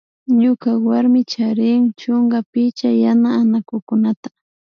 Ñuka warmika charin chunka picha yana anakukunata